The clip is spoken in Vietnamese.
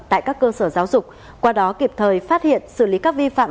tại các cơ sở giáo dục qua đó kịp thời phát hiện xử lý các vi phạm